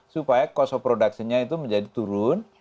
supaya cost of production nya itu menjadi turun